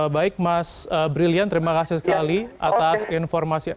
baik mas brilian terima kasih sekali atas informasi